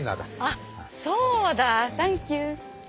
あそうだ！サンキュー。